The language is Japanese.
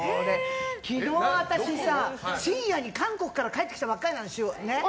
昨日、私さ、深夜に韓国から帰ってきたばかりなのよ。